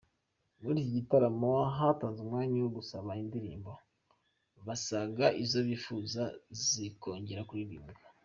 Muri iki gitaramo hatanzwe umwanya wo gusaba indirimbo, basaga izo bifuza zikongera kuririmbwa.